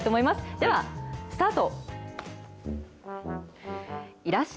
では、スタート。